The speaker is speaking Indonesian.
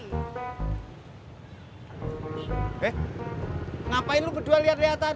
hai hai ngapain lu berdua lihat lihatan